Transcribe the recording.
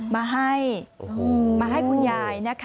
มาให้คุณหญ้า